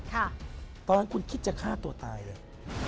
ตอนนั้นคุณคิดจะฆ่าตัวตายเลย